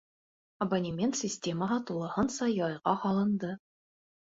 Абонемент системаһы тулыһынса яйға һалынды.